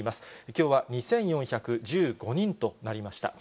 きょうは２４１５人となりました。